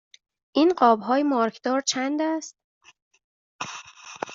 این قاب های مارکدار چند است؟